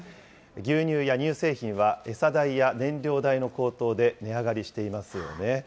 牛乳や乳製品は、餌代や燃料代の高騰で値上がりしていますよね。